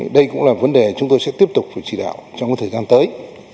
đây cũng là vấn đề chúng tôi sẽ tiếp tục phải chỉ đạo trong thời gian tới